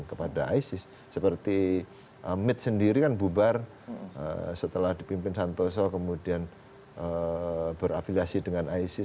kepada isis seperti mid sendiri kan bubar setelah dipimpin santoso kemudian berafiliasi dengan isis